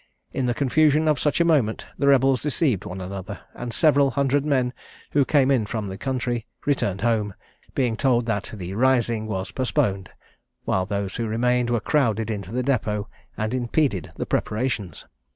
In the confusion of such a moment the rebels deceived one another, and several hundred men, who came in from the country, returned home, being told that the rising was postponed, while those who remained were crowded into the depôt, and impeded the preparations.